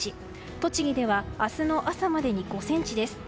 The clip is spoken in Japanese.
栃木では明日の朝までに５ｃｍです。